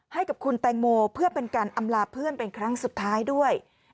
ให้กับคุณแตงโมเพื่อเป็นการอำลาเพื่อนเป็นครั้งสุดท้ายด้วย